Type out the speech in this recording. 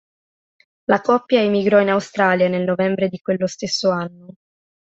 La coppia emigrò in Australia nel novembre di quello stesso anno.